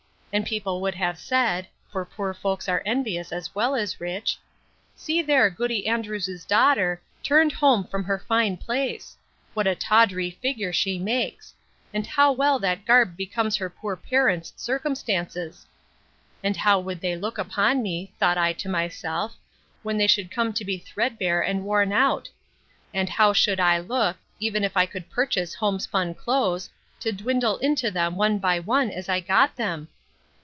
And people would have said, (for poor folks are envious as well as rich,) See there Goody Andrews's daughter, turned home from her fine place! What a tawdry figure she makes! And how well that garb becomes her poor parents' circumstances!—And how would they look upon me, thought I to myself, when they should come to be threadbare and worn out? And how should I look, even if I could purchase homespun clothes, to dwindle into them one by one, as I got them?